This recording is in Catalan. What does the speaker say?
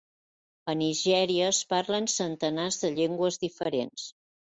A Nigèria es parlen centenars de llengües diferents.